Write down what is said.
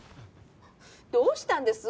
どうしたんです？